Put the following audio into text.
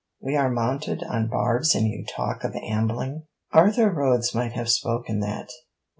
We are mounted on barbs and you talk of ambling.' 'Arthur Rhodes might have spoken that.'